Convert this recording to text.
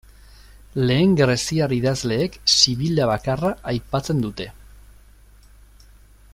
Lehen greziar idazleek Sibila bakarra aipatzen dute.